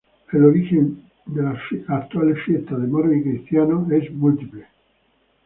El origen de las Fiestas actuales de Moros y Cristianos es múltiple.